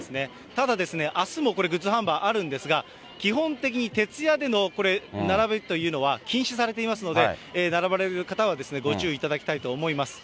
ただですね、あすもグッズ販売あるんですが、基本的に徹夜での、これ、並ぶというのは禁止されていますので、並ばれる方はご注意いただきたいと思います。